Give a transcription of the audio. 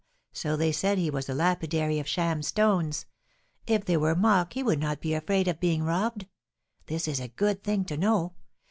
So they said he was a lapidary of sham stones; if they were mock he would not be afraid of being robbed; this is a good thing to know.